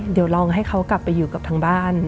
เดี๋ยวลองให้เขากลับไปอยู่กับทางบ้าน